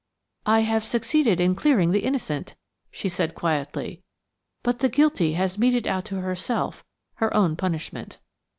"I have succeeded in clearing the innocent," she said quietly; "but the guilty has meted out to herself her own punishment."